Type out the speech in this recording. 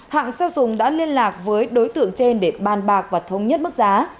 hạng xeo sùng đã liên lạc với đối tượng trên để ban bạc và thống nhất mức giá